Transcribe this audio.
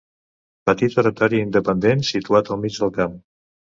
Petit oratori independent situat al mig del camp.